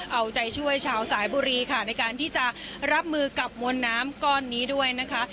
เอาใจช่วยชาวสายบุรีค่ะในการที่จะรับมือกับมวลน้ำก้อนนี้ด้วยนะคะ